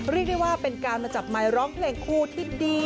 เรียกได้ว่าเป็นการมาจับไมค์ร้องเพลงคู่ที่ดี